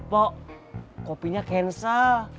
pok kopinya cancel